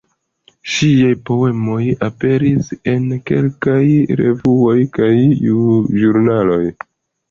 Ŝiaj poemoj aperis en kelkaj revuoj kaj ĵurnaloj.